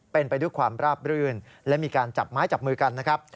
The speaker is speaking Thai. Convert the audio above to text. เป็นไปด้วยความราบรื่นและมีการจับไม้จับมือกันนะครับ